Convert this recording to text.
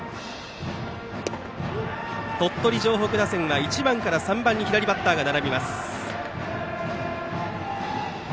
鳥取城北打線は１番から３番に左バッターが並びます。